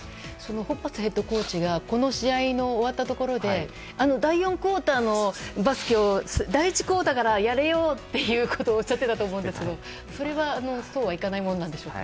ホーバスヘッドコーチがこの試合の終わったところであの第４クオーターのバスケを第１クオーターからやれよっておっしゃっていたと思うんですがそれはそうはいかないものなんでしょうか。